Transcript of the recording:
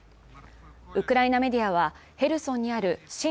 ウクライナメディアはヘルソンにある親